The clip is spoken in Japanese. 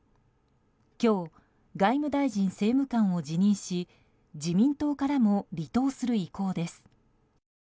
今日、外務大臣政務官を辞任し自民党からも離党する意向です。